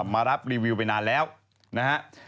มารับรีวิวไปนานแล้วนะฮะ